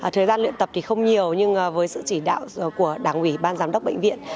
thời gian luyện tập thì không nhiều nhưng với sự chỉ đạo của đảng ủy ban giám đốc bệnh viện